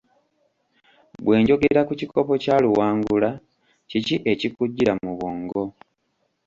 Bwe njogera ku kikopo kya Luwangula, kiki ekikujjira mu bw'ongo?